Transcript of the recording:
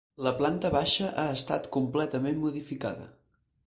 La planta baixa ha estat completament modificada.